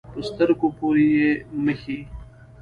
په سترګو پورې یې مښي.